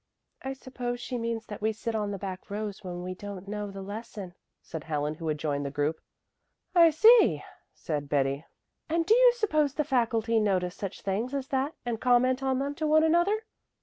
"I suppose she means that we sit on the back rows when we don't know the lesson," said Helen who had joined the group. "I see," said Betty. "And do you suppose the faculty notice such things as that and comment on them to one another?"